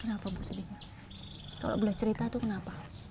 kenapa bu sedihnya kalau boleh cerita itu kenapa